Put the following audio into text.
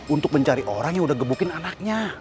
untuk mencari orang yang udah gebukin anaknya